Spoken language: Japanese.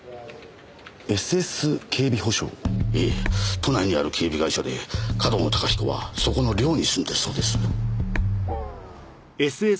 都内にある警備会社で上遠野隆彦はそこの寮に住んでるそうです。